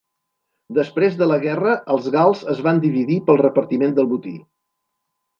Després de la guerra els gals es van dividir pel repartiment del botí.